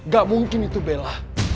gak mungkin itu bella